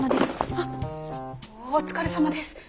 あっお疲れさまです。